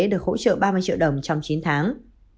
được hỗ trợ ba mươi triệu đồng trong chín tháng